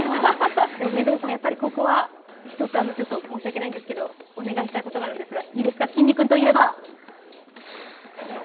でも目黒さん、ここはひとつ申し訳ないんですけれども、お願いしたいことがあるんですが、いいですか、きんに君といえば？